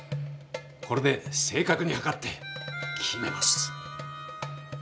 これで正確に測って決めます。